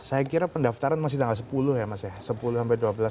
saya kira pendaftaran masih tanggal sepuluh ya mas ya